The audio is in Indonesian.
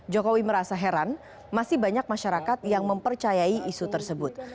jokowi merasa heran masih banyak masyarakat yang mempercayai isu tersebut